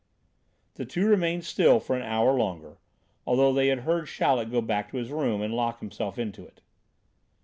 The two remained still for an hour longer, although they had heard Chaleck go back to his room and lock himself into it.